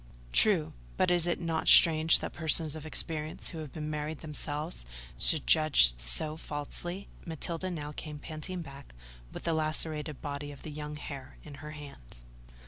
"True: but is it not strange that persons of experience, who have been married themselves, should judge so falsely?" Matilda now came panting back, with the lacerated body of the young hare in her hand.